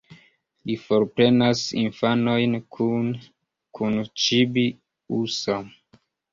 Li forprenas infanojn kune kun Ĉibi-usa.